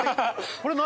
これ何？